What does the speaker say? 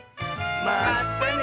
まったね！